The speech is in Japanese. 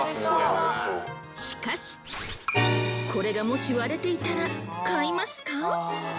しかしこれがもし割れていたら買いますか？